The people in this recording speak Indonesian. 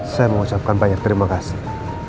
saya mengucapkan banyak terima kasih